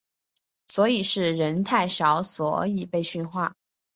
所以是人太少所以被训话？